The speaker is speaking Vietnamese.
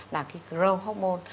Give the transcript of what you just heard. là cái growth hormone